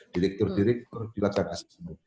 direktur direktur dilakukan assessment